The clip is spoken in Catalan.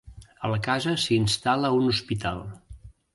A la casa s'hi instal·la un hospital.